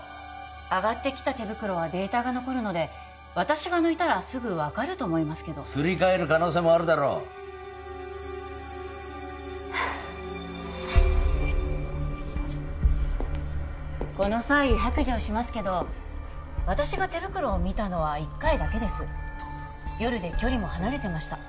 上がってきた手袋はデータが残るので私が抜いたらすぐ分かると思いますけどすり替える可能性もあるだろこの際白状しますけど私が手袋を見たのは１回だけです夜で距離も離れてました